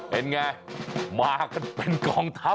เป็นไงมากันเป็นกองทัพ